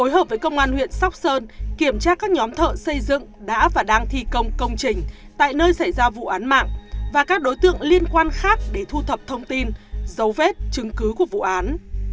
hợp với công an huyện sóc sơn kiểm tra các nhóm thợ xây dựng đã và đang thi công công trình tại nơi xảy ra vụ án mạng và các đối tượng liên quan khác để thu thập thông tin dấu vết chứng cứ của vụ án